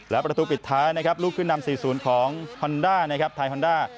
แล้วประตูปิดท้ายนะครับลูกขึ้นดำ๔๐ของไทยฮอนดา